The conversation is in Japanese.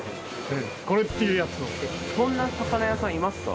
これっていうやつを。